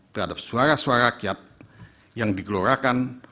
terhadap suara suara rakyat yang digelorakan